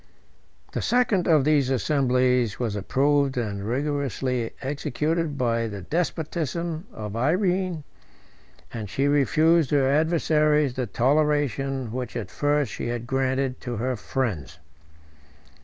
The second of these assemblies was approved and rigorously executed by the despotism of Irene, and she refused her adversaries the toleration which at first she had granted to her friends.